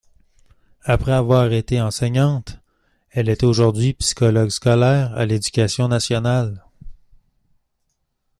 Après avoir été enseignante, elle est aujourd'hui psychologue scolaire à l'Éducation nationale.